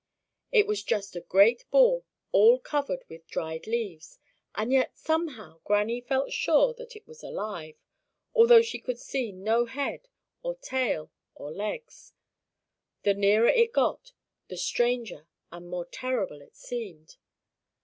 It was just a great ball all covered with dried leaves, and yet somehow Granny felt sure that it was alive, although she could see no head or tail or legs. The nearer it got, the stranger and more terrible it seemed.